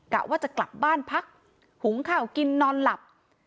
กะว่าจะกลับบ้านพักหุงข้าวกินนอนหลับ